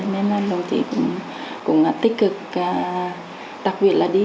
nên đồng chí cũng tích cực